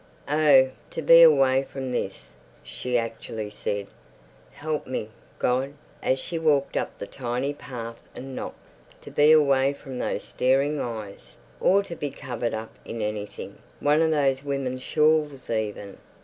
Oh, to be away from this! She actually said, "Help me, God," as she walked up the tiny path and knocked. To be away from those staring eyes, or to be covered up in anything, one of those women's shawls even.